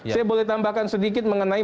saya boleh tambahkan sedikit mengenai